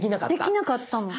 できなかったの。